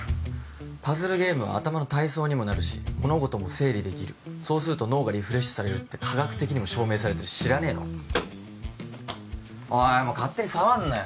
パズルゲームは頭の体操にもなるし物事も整理できるそうすると脳がリフレッシュされるって科学的にも証明されてる知らねえの？おい勝手に触んなよ